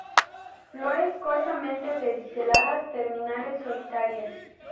Flores cortamente pediceladas, terminales, solitarias.